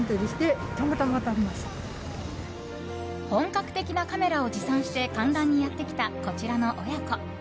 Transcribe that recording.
本格的なカメラを持参して観覧にやってきたこちらの親子。